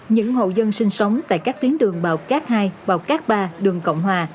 những hậu dân sinh sống tại các tuyến đường bảo cát hai bảo cát ba đường cộng hòa